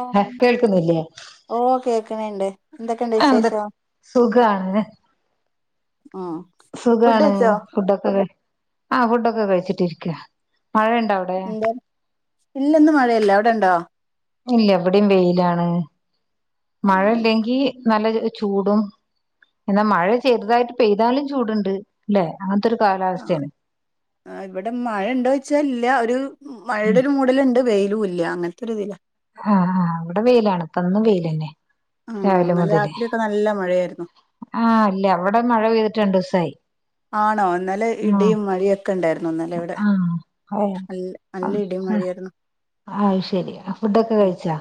ഓഹ് ഹ കേൾക്കുന്നില്ലേ ഓഹ് കേക്ക്ന്ന്ണ്ട് എന്തൊക്കെയുണ്ട് എന്ത് വിശേഷം സുഖാണ് ആഹ് സുഖാണ് ഫുഡൊക്കെ കഴി ആഹ് ഫുഡൊക്കെ കഴിച്ചിട്ടിരിക്കാ മഴണ്ടോ അവ് എന്ത്‌ ഇല്ലന്ന് മഴയല്ല അവിടെണ്ടോ ഇല്ല ഇവടിം വെയിലാണ് മഴ ആഹ് ഇല്ലെങ്കി നല്ല ചൂടും എന്നാ മഴ ചെറ്തായിട്ട് പെയ്താലും ചൂട്ണ്ട് ലെ അങ്ങനത്തൊരു കാലാ സ്ഥ്യാണ് ആഹ് ഇവിടെ മഴണ്ടോയ്ച്ചാ ഇല്ല ഒരു ഉം മഴയുടെ ഒരു മൂടല്ണ്ട് വെയിലുംല് ഇല്ല അങ്ങനത്തൊരുതീലാ ആഹ് ആഹ് ഇവിടെ വെയിലാണ് ഇപ്പന്നും വെയിലെന്നെ ആഹ് രാവിലെ ഇന്നലെ മുതല് രാത്രിയൊക്കെ നല്ല മഴയായിരുന്നു ആഹ് ഇല്ല ഇവടെ മഴ പെയ്തിട്ട് രണ്ടൂസായി ആണോ ഇന്നലെ ഇടിയും മഴയൊക്കെ ഇണ്ടായിരുന്നു ഇന്നലെ ഇവിടെ ആഹ് നല്ല നല്ല ഇടിയും മഴയായിരുന്നു ആഹ് അത് ശെരി ഫുഡൊക്കെ ഉം കഴിച്ചാ?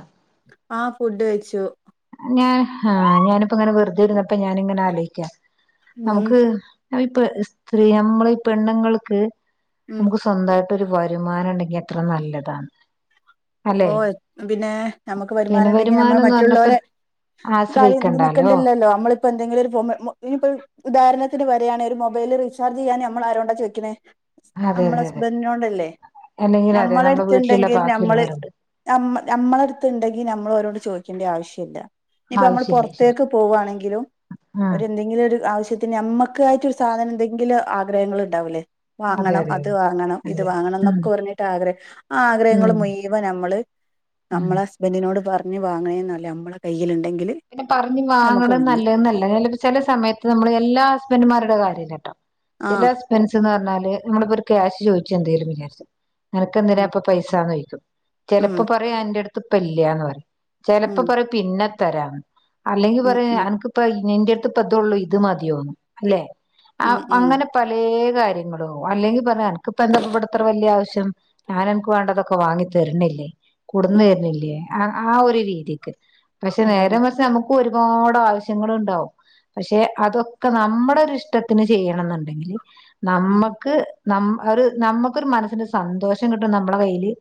ആഹ് ഫുഡ് കഴിച്ചു ഞാൻ ആഹ് ഞാനിപ്പ ഇങ്ങനെ വെറ്തെ ഇര്ന്നപ്പം ഞാനിങ്ങനെ ആലോയിക്കാ ഉം നമുക്ക് അത് ഇപ്പ സ്ത്രീ നമ്മള് ഈ പെണ്ണുങ്ങൾക്ക് ഉം നമുക്ക് സ് സ്വന്തായിട്ട് ഒരു വരുമാനണ്ടെങ്കി എത്ര നല്ലതാന്ന് ഓഹ് എ പിന്നെ നമുക്ക് പിന്നെ വരുമാനണ്ടെങ്കി നമ്മള് വരുമാനംന്ന് പറഞ്ഞപ്പോ മറ്റുള്ളോരെ കാര്യം [unintelligible] ആശ്രയിക്കണ്ടാലോ നോക്കണ്ടല്ലല്ലോ നമ്മള് ഇപ്പൊ എന്തെങ്കിലും ഒരു വുമ ഇനിപ്പോ ഉദാഹരണത്തിന് പറയാണ് ഒരു മൊബൈല് റീചർജെയ്യാന് നമ്മള് ആരോണ്ടാ ചോയിക്ക്ണ് അതെ നമ്മളെ അതെ അതെ ഹസ്ബന്റിനോടല്ലേ അല്ലെങ്കിൽ അതെ നമ്മുടെ വീട്ടിലുള്ള നമ്മളെട്ത്ത്ണ്ടെങ്കി നമ്മള് ബാക്കിയുള്ളവരുണ്ട് നമ്മ നമ്മളെട്ത്ത്ണ്ടെങ്കി നമ്മള് ഓരോട് ചോയിക്കേണ്ട ആവശ്യല്ല ഇനിയിപ്പ നമ്മള് ആവശ്യമില്ല ശരി പുറത്തേക്ക് പോവാണെങ്കിലും ആ ഒരു എന്തെങ്കിലും ഒര് ആവശ്യ ത്തിന് നമ്മക്കായിട്ട് ഒരു സാധനം എന്തെങ്കിലും ആഗ്രഹങ്ങള് ഇണ്ടാവൂല്ലേ അതെ വാങ്ങണം അതെ അത് അതെ വാങ്ങണം ഇത് അതെ വാങ്ങണം ഉം എന്നൊക്കെ പറഞ്ഞിട്ട് ആഗ്രഹം ആ ഉം ആഗ്രഹങ്ങള് മുഴ് ‌വൻ നമ്മള് ഉം നമ്മളെ ഹസ്ബന്റിനോട് പറഞ്ഞ് വാങ്ങണെലും നമ്മളെ കയ്യില്ണ്ടെങ്കില് പിന്നെ പറഞ്ഞ് വാങ്ങണം നല്ലത് എന്നല്ല ചില സമയത്ത് നമ്മള് എല്ലാ ഹസ്ബന്റ്മാരുടെ കാര്യം അല്ലട്ടോ ആ ചെല ഹസ്‌ബെന്റ്സ് എന്ന് പറഞ്ഞാല് നമ്മളിപ്പോ ഒരു ക്യാഷ് ചോയിച്ച് എന്തെങ്കിലും വിചാരിച്ചോ അനക്കെന്തിനാ ഉം ഇപ്പ പൈസാന്ന് ചോയിക്കും ഉം ചെലപ്പോ പറയും എന്റെ അട്ത്ത് ഇപ്പ ഇല്ലാന്ന് പറയും ചിലപ്പോ ഉം പറ പിന്നെ തരാം അല്ലെങ്കി ഉം പറയും ഉം അൻക്ക് ഇ ഇന്റെയ അടുത്ത് ഇപ്പ ഇത ഉള്ളൂ ഇത് മതിയോന്നുന്നു അല്ലെ ഉം ഉം അങ്ങനെ പലയ കാര്യങ്ങളോ അല്ലെങ്കിൽ പറഞ്ഞ എനക്ക്പ്പ എന്തപ്പെടുത്ത വലിയ ആവശ്യം ഞാനെ എനിക്ക് വേണ്ടതൊക്കെ ഒക്കെ വാങ്ങി തരുന്നില്ലേ കുടന്നു ഉം തരുന്നില്ലേ ആ ആ ഒരു രീതിക്ക് പക്ഷെ നേരെ അതന്നെ മറച്ച് നമുക്ക് ഒരുപാട് ആവശ്യങ്ങൾ ഉണ്ടാവും പക്ഷെ അതൊക്കെ നമ്മുടെ ഇഷ്ടത്തിന് ചെയ്യണം എന്നുണ്ടെങ്കില് ആ ആ. നമ്മുക്ക് ന ഒരു നമ്മുക്കരു മനസ്സിന്റെ സന്തോഷം കിട്ടും നമ്മളുടെ കയ്യില്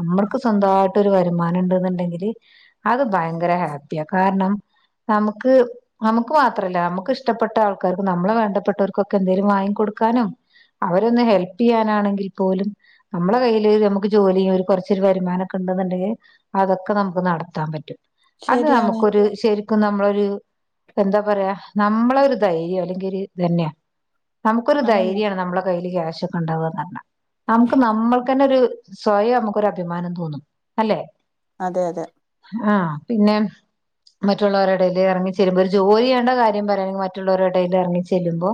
നമ്മുക്ക് സ്വന്തമായിട്ട് ഒരു വരുമാനം ഉണ്ടന്നുണ്ടെങ്കില് അത് ഭയങ്കര ഹാപ്പി കാരണം നമുക്ക് നമുക്ക് മാത്രല്ല നമ്മുക്ക് ഇഷ്ടപ്പെട്ട ആൾക്കാർക്ക് നമ്മളെ വേണ്ടപ്പെട്ടവർക്കൊക്കെ എന്തെങ്കലും വാങ്ങി കൊടുക്കാനോ അവരൊന്ന് ഹെൽപ് ചെയ്യാനാണെങ്കിൽ പോലും നമ്മളുടെ കയ്യില് നമുക്ക് ജോലിയും ഒരു കൊറച്ചൊരു വരുമാനംക്കെ ഉണ്ടുന്നുണ്ടിൽ അതൊക്കെ നമുക്ക് നടത്താൻ പറ്റും അത് ശരിയാണ് നമുക്കൊരു ശ നമ്മളൊരു എന്താ പറയാ നമ്മള ഒരു ധൈര്യം അല്ലെങ്കിൽ ഒരു ധന്യ നമുക്കൊരു ആണന്നെ ധൈര്യമാണ് നമ്മളുടെ കയ്യിൽ ക്യാഷ ഒക്കെ ഉണ്ടാവുകന്ന് പറഞ്ഞാ നമുക്ക് നമ്മൾക്ക്ന്നെ ഒരു സ്വയം നമുക്കൊരു അഭിമാനം തോന്നും അല്ലെ അതെ അതെ ആഹ പിന്നെ മറ്റുള്ളവരുടെടയിൽ ഇറങ്ങിെല്ലമ്പോ ഒരു ജോലി ചെയേണ്ട കാര്യം പറയയാണെങ്കിൽ മറ്റുള്ളവരുടെടയിൽ ഇറങ്ങി ചെല്ലുമോ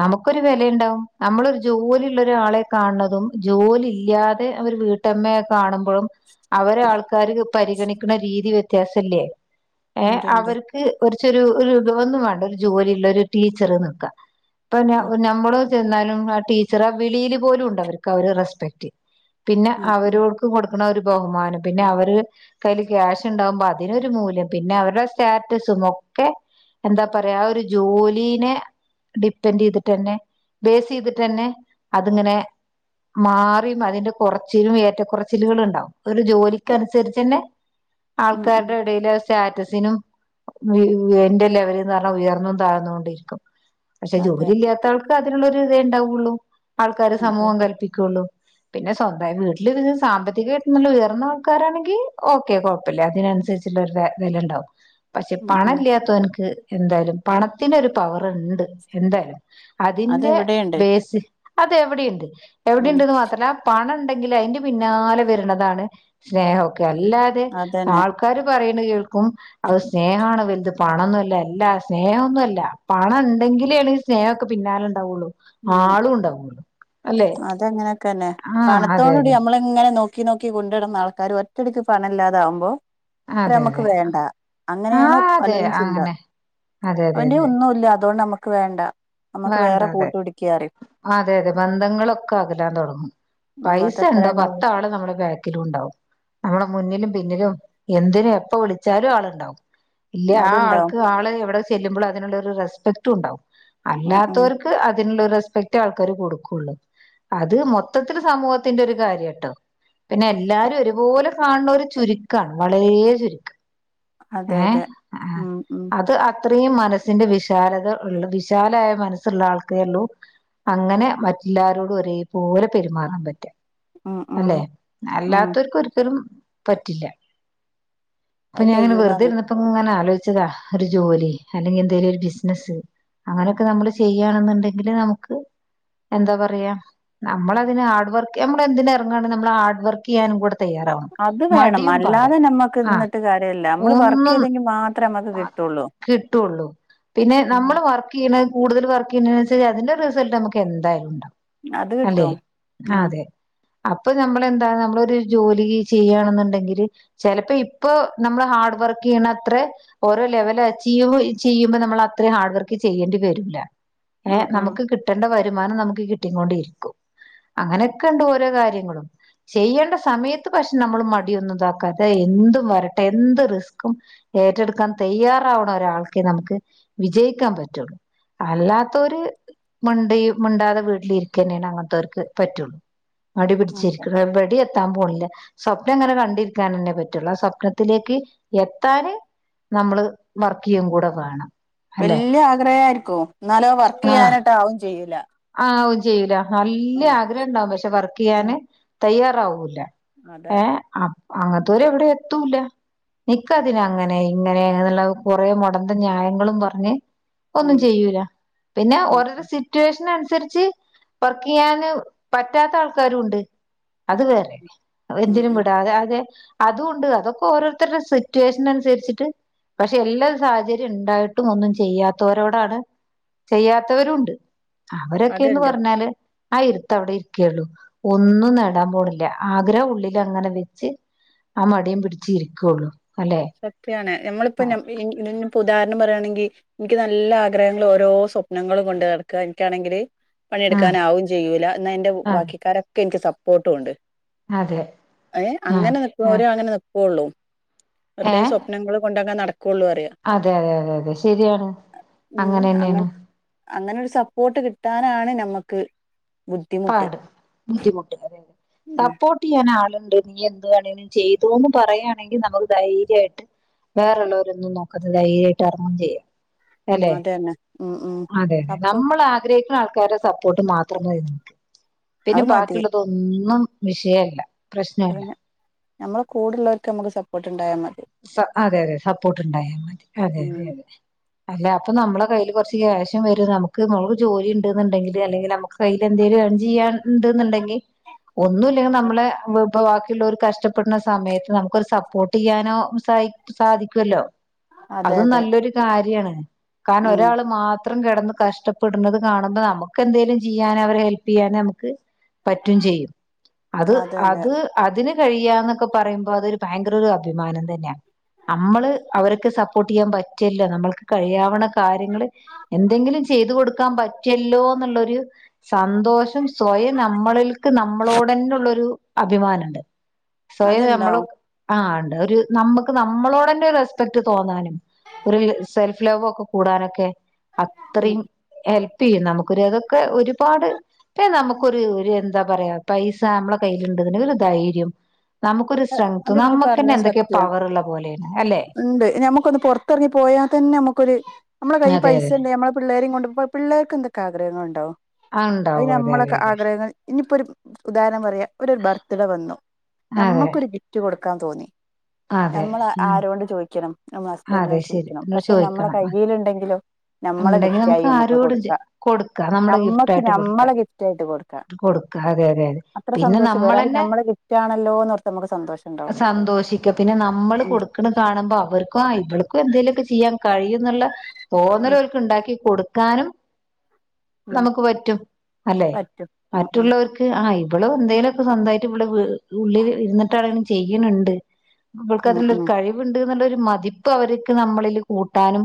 നമുക്കൊരു വിലുണ്ടാവും നമ്മളൊരു ജോലിള്ളരാളെ കാണുന്നതും ജോലി ഇല്ലാതെ അവ വീട്ട മുമ്മയെ കാണു അവരെ ആൾക്കാർ പരിഗണിക്കുന്ന രീതി വ്യത്യാസല്ലേ ഏ ഉണ്ട് ഉണ്ട് അവർക്ക് [unintelligible] വേണ്ട ഒരു ജോലി ഇള്ള ഒരു ടീച്ചർ വെക്കാം ഇപ്പൊ ഉം നമ്മള് ലും ആ ടീച്ചർ വിളിയിൽ പോലും ഉണ്ട് അവർക്ക് അവ റെസ്പെക്ട് പിന്നെ ഉം ഉം അവരോ കൊടുക്കുന്ന ഒരു ബഹുമാന പിന്നെ അവര് കയ്ൽ ക്യാഷ് ഉണ്ടാകുമ്പോ അപ്പ അതിനൊരു മൂല്യം പിന്നെ അവരുടെ സ്റ്റാറ്റസും ഒക്കെ എന്താ പറയാ ഒരു ജോലീനെ ഡിപ്പെൻഡ് ചെയ്തിട്ട്ന്നെ ബേസ് ചെയ്തിട്ട്ന്നെ അതിങ്ങനെ മാറിയും അതിന്റെ കുറച്ചിലും ഏറ്റക്കുറച്ചിലുകള ഉണ്ടാവും ഒരു ജോലിക്ക് അനുസരിച്ച് തന്നെ ഉം ഉം ആൾക്കാരുടെ ഇടയിൽ സ്റ്റാറ്റസിനും എന്റെ ലെവല എന്ന് പറഞ്ഞാൽ ഉയർന്നും താഴർന്നുകൊണ്ടിരിക്കും പക്ഷെ അതെ ജോലി ഇല്ലാത്തവൾക്ക് അതിനുള്ളൊരു ഇതേ ഉണ്ടാവുള്ളൂ ആൾക്കാര് അതെ സമൂഹം അതെ കല്പ്പിക്ക പിന്നെ സ്വന്തം വീട്ടിലി സാമ്പത്തികമായിട്ടംല്ല ഉയർന്ന ആൾക്കാരാണെങ്കിൽ ഓക്കെ കുഴപ്പില്ല അതിനനുസരിച്ചുള്ള ഒരു വിലണ്ടാവും പക്ഷെ ഉം പണ ഉം ഇല്ലാത്തവർക്ക് എന്തായാലും പണത്തിന ഒരു പവർ ഉണ്ട് എന്തായാലും അതിന്റെ അതെവിടെയുണ്ട് ബേസ് അത് എവിടെയുണ്ട് എവിടെയ ഉം ഉണ്ടന്ന് മാത്ര പണ ഉണ്ടെങ്കിൽ അതിന്റെ പിന്നാലെ വരുന്നതാണ് സ്നേഹമൊക്കെ അല്ലാതെ അതന്നെ ആൾക്കാര് പറയുന്ന കേൾക്കും അത് സ്നേഹണ വലുത് പണന്നുമല്ല എല്ല സ്നേഹംന്നുമല്ല പണം ഉണ്ടെങ്കിലെയാണ് സ്നേഹമൊക്കെ പിന്നാലെ ഉണ്ടാവുള്ളൂ ആളും ഉണ്ടാവുള്ളു അല്ലെ അത അങ്ങനെയൊക്കെ തന്നെ ആഹ് അതെ പണത്തോടുകൂടി അതെ നമ്മള ഇങ്ങനെ നോക്കി നോക്കി കൊണ്ടിടുന്ന ആൾക്കാർ ഒറ്റടിക്ക് പണം ഇല്ലാതാവുമ്പോ അവരെ അതെ നമുക്ക് അതെ വേണ്ട അങ്ങനെയാണ് ആഹ് അതെ പലരും ചിന്ത അങ്ങനെ അതെ അതെ അവന്റെ അതെ ഒന്നും ഇല്ല അതുകൊണ്ട് നമ്മുക്ക് വേണ്ട നമ്മുക്ക് വേണ്ട വേറെ അതെ കൂട്ട് പിടിക്കാറ അതെ അതെ ബന്ധങ്ങളൊക്കെ അകലാൻ തുടങ്ങും ഉം പൈസ ഉണ്ടോ അതത്രന്നെ പത്ത ഉള്ളു ആള് നമ്മളുടെ ബാക്കിലും ഉണ്ടാവും. നമ്മളെ മുന്നിലും പിന്നിലും എന്തിനും എപ്പ വിളിച്ചാലും ആളുണ്ടാവും. ഇല്ല, ആ അതുണ്ടാവും ആൾക്ക് ആള് എവിടെ ചെല്ലുമ്പോളും അതിനുള്ളൊരു റെസ്പെക്റ്റ ഉണ്ടാവും. ഉം ഉം അല്ലാത്തവർക്ക് അതിനുള്ള റെസ്പെക്റ്റ് ആൾക്കാര് കൊടുക്കുള്ളൂ. അത് മൊത്തത്തില് സമൂഹത്തിന്റെ ഒരു കാര്യ ട്ടോ? പിന്നെ, എല്ലാരും ഒരു പോലെ കാണുനോര് ചുരുക്കാണ്. വളരെ ചുരുക്ക ആണ്. അതെ അതെ ഏഹ്, ആഹ് ഉം ഉം അത് ആ. അത്രയും മനസ്സിന്റെ വിശാലത ഉള്ള വിശാലായ മനസ്സുള്ള ആൾക്കേ ള്ളൂ. അങ്ങനെ മറ്റല്ലാരോടും ഒരേ പോലെ പെരുമാറാൻ പറ്റാ. ഉം ഉം അല്ലെ, ഉം അല്ലാത്തോര് ക്ക് ഒരിക്കലും പറ്റില്ല. ഇപ്പൊ, അത് ഞാങ്ങനെ വെറുതെ കയ്യൂലാന്ന് ഇരുന്ന പ്പങ്ങനെ ആലോയിച്ചതാ, ഒരു ജോലി, അല്ലെങ്കി എന്തെങ്കിലും ഒരു ബിസിനസ്സ്. അങ്ങനൊക്കെ നമ്മള് ചെയ്യയാ ണെന്ന്ണ്ടെങ്കില് നമുക്ക്. എന്താ പറയാ, നമ്മളതിന് ഹാർഡ് വർക്ക് നമ്മള് എന്തിന് എറങ്ങാണ് നമ്മള് ഹാർഡ് വർക്ക് ചേയ്യാനും കൂടെ. തയ്യാറാവണം അത് വേണം. മടിയും പാടെ അല്ലാതെ നമ്മക്ക് ആഹ് നിന്നിട്ട് കാര്യല്ല. നമ്മള് വർക്ക് ചെയ്തങ്കി മാ മ കിട്ടൊള്ളൂ, പിന്നെ ഉം നമ്മള് വർക്ക്. ക്ക്ണ് കൂടുതൽ വർക്ക് ചെയ്യണതിന് അനുസരിച്, അതിന്റെ റിസൾട് നമുക്ക് എന്തായാലും ണ്ടാവും. അത് അല്ലെ കിട്ടും ആഹ് ഉം അതെ. അപ്പൊ നമ്മളെന്താ, നമ്മളൊരു ജോലി ചെയ്യാണെന്നുണ്ടെങ്കില്. ചെലപ്പോ ഇപ്പൊ നമ്മള് ഹാർഡ് വർക്ക്യ്യണത്രേ. ഓരോ ലെവല് അച്ചീവ് ചെയ്യുമ്പോ, നമ്മളത്രി ഹാർഡ് വർക്ക് ചെയ്യേണ്ടി വരൂല. ഹേ, ഉം ഉം നമുക്ക് കിട്ടണ്ട വരുമാനം നമുക്ക് കിട്ടി ക്കൊണ്ടിരിക്കും. അങ്ങനൊക്കെണ്ട് ഓരോ കാര്യങ്ങളും. ചെയ്യേണ്ട സമയത്ത് പക്ഷെ, നമ്മള് മടിയൊന്നും ഇതാക്കാതെ എന്തും വരട്ടെ എന്ത് റിസ്കും. ഏറ്റെടുക്കാം തയ്യാറാവുന്ന ഒരാൾക്കെ നമുക്ക് വിജയിക്കാൻ പറ്റുള്ളൂ. അല്ലാത്തോര് മണ്ടി മിണ്ടാതെ വീട്ടിലിരിക്കന്നെണ് അങ്ങനത്തോ ര്ക്ക് പറ്റൊള്ളൂ. മടി അതെ പിടിച്ചിരിക്ക്ണോല് എവടിം എ ത്താൻ പോണില്ല. സ്വപ്നങ്ങനെ കണ്ടിരിക്കാന ന്നെ പറ്റൊള്ളൂ. ആഹ് സ്വപ്ന ത്തിലേക്ക് എത്താന്. നമ്മള് വർക്ക യ്യും കൂടെ വേണം. അല്ലെ വല്യേ ആഗ്രഹാരിക്കും. ഇന്നാലോ വർക്ക് ആഹ് ചെയ്യാനോട്ട് ആവും ചെയ്യൂല. ആവും ചെയ്യൂല. വല്യേ ആഹ് ആഗ്രഹം ഇണ്ടാവും പക്ഷെ വർക്ക് ചെയ്യാന് ആഹ് തയ്യാറാവൂല. അതാണ് ഏഹ് അപ്പ് അങ്ങൻത്തോര് എവിടെ എത്തൂല. നിക്കതിന് അങ്ങനെ ഇങ്ങനെന്ന് ള്ള കൊറെ മൊടന്തം ന്യായങ്ങളും പറഞ്ഞ്. ഒന്നും ഉം ചെയ്യൂല. പിന്നെ ഉം ഓരോരോ സിറ്റോഷ് നുസരിച്ച് വർക്ക്യ്യാന് പറ്റാത്ത ആൾക്കാരും ഇണ്ട്. അത് വേറെ. ഉം എന്തിനും ഉം വിടാതെ അതെ അതുണ്ട് അതൊക്കെ, ഓരോ രുത്തരുടെ സിറ്റുവേഷനനുസരിച്ചിട്ട്. പക്ഷെ എല്ലാ സാഹചര്യം ഇണ്ടായിട്ടും, ഒന്നും ചെയ്യാത്തവരോടാണ്. ചെയ്യാത്തവരുും ഇണ്ട്. അവരൊക്കെ ന്ന് അത്ണ്ട് പറഞ്ഞാല്. ആഹ്, ഇരുത്തവടെ ഇരിക്കെള്ളു. ഒന്നും നേടാപോണില്ല. ആഗ്രഹം ഉള്ളിലങ്ങനെ വെച്ച്. ആഹ്, മടിം പിടിച് ഇരിക്കൊള്ളു അല്ലെ. ക്കെയാണ് നമ്മളിപ്പൊ ന ഇ ഇപ്പൊ ഉദാഹരണം പറയാണെങ്കി, ഇനിക്ക് നല്ല ആഗ്രഹങ്ങളും ഓരോ സ്വപ്നങ്ങളും കൊണ്ട് നടക്ക എനിക്കാണെങ്കില്. ആ പണിടുക്കാ നാവും ചെയ്യൂല. എന്ന എന്റെ അതെ ബാക്കിക്കാരൊക്കെ എനിക്ക് സപ്പോർട്ടും ഉണ്ട്. അതെ ഏഹ് ആ അങ്ങനെ നിക്ക്ണോര് അങ്ങനെ നിക്കൊള്ളൂ. ഏ വെറുതെ സ്വപ്നങ്ങള് കൊണ്ടങ്ങനെ നടകൊള്ളുന്ന് പറയ. അതെ അതെ അതെ അതെ ശരിയാണ് അങ്ങനെന്നെണ്. അങ്ങനൊരു സപ്പോട്ട് കിട്ടാനാണ് ഞമ്മക്ക് പാട് ബുദ്ധിമുട്ട് അതെ അതെ ഉം [unintelligible] ടിയ്യാനാള്ണ്ടങ്കി നീ എന്ത്‌ വേണെങ്കിലും ചെയ്തോന്ന് പറയ്യാണെങ്കി നമക്ക് ധൈര്യായിട്ട് വേറെള്ളോരൊന്നും നോക്കതെ ധൈര്യായിട്ട് അറങ്ങും ചെയ്യാ ഉം അല്ലെ അതന്നെ ഉം ഉം അതെ അതെ സപ്പോ നമ്മള് ആഗ്രഹിക്ക്ണ ആൾക്കാരെ സപ്പോട്ട് മാത്രം മതി പിന്നെ അത് മതി ബാക്കിള്ളതൊന്നും വിഷയല്ല പ്രശ്നമല്ല അതെന്നെ ഞമ്മളെ കൂടുള്ളോൽക്ക് നമ്മക്ക് സപ്പോട്ട് ഇണ്ടായാ മതി സ അതെ അതെ സപ്പോട്ട് ഇണ്ടായ മതി അതെ അതെ ഉം അതെ അല്ല അപ്പൊ നമ്മളെ കയ്യില് കൊറച്ച് ക്യാഷും വരും നമുക്ക് നുള്ള് ജോലിണ്ട് ന്ന്ണ്ടെങ്കില് അല്ലെങ്കി നമ്മക്ക് കയ്യിലെന്തെലും ഏൺ ചെയ്യാ ഇണ്ട്ന്ന്ണ്ടങ്കി ഏഹ് ഒന്നുല്ലെങ്കി നമ്മളെ ഇപ്പോ ബാക്കിള്ളോര് കഷ്ടപ്പെട്ണ സമയത്ത് നമുക്കൊരു സപ്പോർട്ട് ചെയ്യാനോ സായ്‌ സാധിക്കുല്ലോ അതെ അതും അതെ നല്ലൊരു കാര്യാണ് കാരണം ഉം ഒരാള് മാ ത്രം കേടന്ന് കഷ്ടപ്പെട്ണത് കാണുമ്പം നമുക്ക് എന്തേലും ചെയ്യാന് അവരെ ഹെല്പ് ചെയ്യാനും നമുക്ക് പറ്റും ചെയ്യും അത് അതെ അതെ അത് അതിന് കഴിയാന്നൊക്കെ പറയുമ്പോ അതൊരു ഭയങ്കര ഒരു അഭിമാനം ത ല്ല അമ്മള് അവർക്ക് സപ്പോർട്ട് ചെയ്യാൻ പറ്റില്ലോ നമ്മൾക്ക് കഴിയാവ്ണ കാര്യങ്ങള് എന്തെങ്കിലും ചെയ്തു കൊടുക്കാൻ പറ്റിയല്ലോന്നുള്ളൊരു സന്തോഷം സ്വയം നമ്മളിൽക്ക് നമ്മളോടന്നെ ഉള്ളൊരു അഭിമാനണ്ട് സ്വയം നമ്മള് അത്ണ്ടാവും ആണ്ട് ഒരു നമ്മക്ക് നമ്മളോടെന്നെ ഒരു റെസ്പെക്ട് തോന്നാനും ഒരു സെൽഫ് ലവ് ഒക്കെ കൂടാനൊക്കെ ഉം അത്രീം ഹെൽപ്പെയ്യും നമുക്കൊരു അതൊക്കെ ഒരുപാട് പ്പ നമുക്കൊരു ഒരു എന്താ പറയാ പൈസ നമ്മളെ കയ്യിലുണ്ട് ന്ന്ണ്ടെങ്കിൽ ഒരു ധൈര്യം നമുക്കൊരു സെങ്ങ്ത്ത് അത് ഇങ്ങള് നമുക്കന്നെ എന്തൊക്കെയോ പവറ്ള്ള പോലെണ് ണ്ട് നമുക്കൊന്ന് പുറത്തിറങ്ങി പോയാ തന്നെ നമുക്കൊരു നമ്മളെ കൈയി അതെ അതെ പൈസണ്ട് നമ്മളെ പിള്ളേരും കൊണ്ട് പിള്ളേർക്ക് എന്ത്‌ [unintelligible] ആ അത് ഉണ്ടാവും അതെ നമ്മളൊക്കെ അതെ അതെ ആഗ്രഹങ്ങൾ ഇനിപ്പോരു ഉദാഹരണം പറയാ ഒരു ബർത്ത്ഡേ വന്നു അതെ നമ്മക്കൊരു ഗിഫ്റ്റ് കൊടുക്കാൻ തോന്നി അതെ നമ്മള് ഉം ആരൊണ്ട് ചോയ്ക്ക്ണ് നമ്മളെ ഹ അതെ ബന്റിനോട് ശരി ചോയ്ക്കണം എന്നോട് പക്ഷെ നമ്മളെ ചോദിക്കണം കൈയ്യില് ഇണ്ടെങ്കിലോ നമ്മളെ ഉണ്ടെങ്കി ഗിഫ്റ്റായി നമുക്ക് നമ്മക്ക് ആരോടും ചെ കൊടുക്കാ കൊടുക്ക നമ്മുടെ ഗിഫ്റ്റ് നമ്മക്ക് ആയിട്ട് കൊടുക്ക നമ്മളെ ഗിഫ്റ്റ് ആയിട്ട് കൊട് ക്ക കൊടുക്ക അതെ അതെ അതെ അത്ര പിന്നെ സന്തോഷം വേറെ ല്ല നമ്മളന്നെ നമ്മളെ ഗിഫ്റ്റാണല്ലോന്ന് സന്തോഷിക്ക പിന്നെ നമ്മള് ഉം കൊടുക്ണ കാണുമ്പോ അവർ ക്കോ ഇവൾക്കും എന്തേലുക്കെ ചെയ്യാൻ കഴിയുംന്ന്ള്ളെ തോന്നല് ഉം ഓൽക്ക് ഇണ്ടാക്കി കൊടുക്കാനും ഉം നമുക്ക് പറ്റും അല്ലെ പറ്റും ഉം ഉം മറ്റുള്ളൊർക്ക് ആഹ് ഇവളും എന്തേലുക്കെ സ്വന്തായിട്ട് ഇവള് വ് ഉള്ളിൽ ഇരുന്നിട്ടാണെങ്കിലും ചെയ്യണ് ണ്ട് ഇവൾക്ക് ഉം അതിനുള്ളൊരു ഉം കഴിവുണ്ട് ഇന്ന്ള്ളോരു മ ഇപ്പോ അവർക്ക് നമ്മളില് കൂട്ടാനും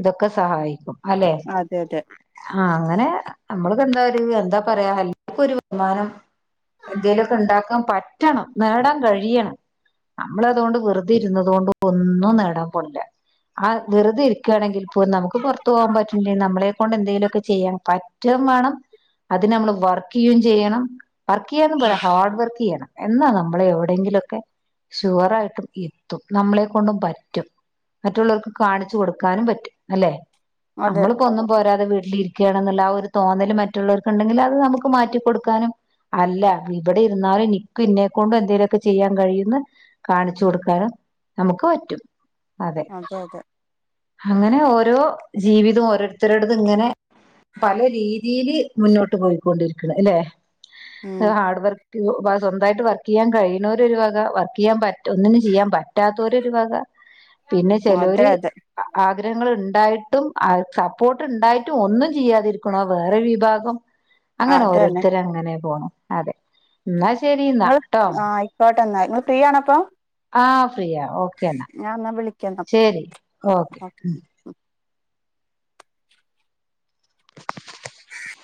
ഇതൊക്കെ സഹായിക്കും അല്ലെ അതെ അതെ ആഹ് അങ്ങനെ നമ്മള് എന്താ ഒരു എന്താ പറയാ എല്ലാർക്കും ഒരു വരുമാനം എന്തേലുക്കെ ഇണ്ടാക്കാൻ പറ്റണം നേടാൻ കഴിയണം അമ്മള് അതോണ്ട് വെറുതെ ഇരുന്നതോണ്ട് ഒന്നും നേടാൻ പോണില്ല ആഹ് വെറുതെ ഇരിക്ക്ണെങ്കിൽ പ്പോ നമുക്ക് പുറത്തു പോവാൻ പറ്റില്ല നമ്മളെ കൊണ്ട് എന്തെലുക്കെ ചെയ്യാൻ പ റ്റെം വേണം അതിന് നമ്മള് വർക്ക് ചെയ്യേം ചെയ്യണം വർക്ക് ചെയ്യാന്ന് പോര ഹാർഡ് വർക്ക് ചെയ്യണം എന്നാ നമ്മള് എവിടെങ്കിലുക്കെ ഷുവറായിട്ടും എത്തും നമ്മളെ കൊണ്ടും പ റ്റും മറ്റുള്ളോർക്ക് കാണിച്ചു കൊടുക്കാനും പറ്റും അല്ലെ അതെ നമ്മള് ഒന്നും പോരാതെ വീട്ടിലിരിക്കുകയാണെന്നുള്ള ആഹ് ഒരു തോന്നൽ മറ്റുള്ളവർക്ക് ഉണ്ടെങ്കിൽ അത് നമുക്ക് മാറ്റികൊടുക്കാനും അല്ല ഇവിടെ ഇരുന്നാലും നിക്കും ഇന്നെക്കൊണ്ടും എന്തേലുക്കെ ചെയ്യാൻ കഴിയന്ന് കാണിച്ചു കൊടുക്കാനും നമുക്ക് പറ്റും അതെ അങ്ങനെ ഓരോ ജീവിതവും ഓരോരുത്തരുടും ഇങ്ങനെ പല രീതിയില് മുന്നോട്ട് പോയിക്കൊണ്ടിരിക്കണ് അല്ലെ ഉം ഹാർട് വർക്ക് സ്വന്തായിട്ട് വർക്ക് ചെയ്യാൻ കഴിയുന്നോര് ഒരു വക വർക്ക് ചെയ്യാൻ പറ്റ ഒന്നിനും ചെയ്യാൻ പറ്റാത്തൊരു ഒരു വക പിന്നെ അതെ ചെലൊര് അതെ ആഗ്രഹങ്ങൾ ഉണ്ടായിട്ടും സപ്പോർട്ട് ഉണ്ടായിട്ടും ഒന്നും ചെയ്യാതിരിക്ക ന്നാ വേറെ വിഭാഗം അങ്ങനെ അതന്നെ ഓരോരുത്തര് അങ്ങനെ പോണം അതെ എന്നാ ശരി എന്നാ ങ്ങൾ ട്ടോ ആഹ് ആയ്കോട്ടെ എന്നാ നിങ്ങൾ ഫ്രീ ആണോ ഇപ്പൊ ആഹ് ഫ്രീയാ ഓക്കെ എന്നാ ശരി ഓക്കെ